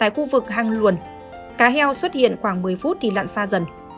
khu vực hàng luồn cá heo xuất hiện khoảng một mươi phút thì lặn xa dần